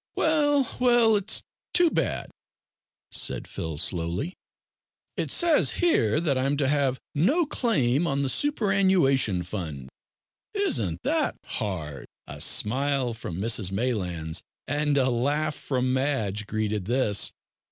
"Well, well, it's too bad," said Phil slowly, "it says here that I'm to have `no claim on the superannuation fund.' Isn't that hard?" A smile from Mrs Maylands, and a laugh from Madge, greeted this.